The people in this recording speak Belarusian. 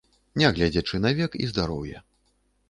Нягледзячы на век і здароўе.